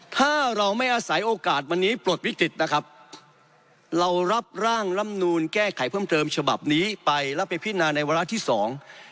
ถ้าเราไม่อาศัยโอกาสวันนี้ปลดวิกฤตนะครับเรารับร่างลำนูนแก้ไขเพิ่มเติมฉบับนี้ไปแล้วไปพินาในวาระที่สอง